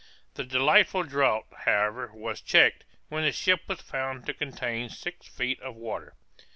The delightful draught, however, was checked, when the ship was found to contain six feet of water!